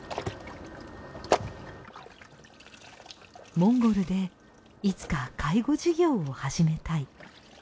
モンゴルでいつか介護事業を始めたい。